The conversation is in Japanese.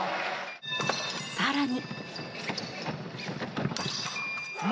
更に。